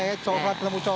udah cukup sebetulnya